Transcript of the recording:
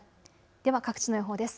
では各地の予報です。